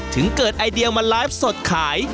ถึงเกิดไอเดียมาไลฟ์สดขาย